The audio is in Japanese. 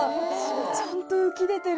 ちゃんと浮き出てる。